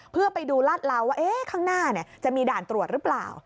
เพื่อไปดูลาดเหลาว่าข้างหน้าจะมีด่านตรวจหรือเปล่า